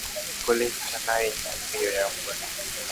Kulingana naye nyama hiyo ya mbwa na